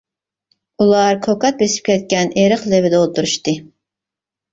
ئۇلار كوكات بېسىپ كەتكەن ئېرىق لېۋىدە ئولتۇرۇشتى.